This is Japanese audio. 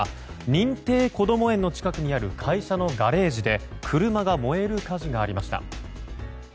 認定こども園の近くにある会社のガレージで車が燃える火事がありました。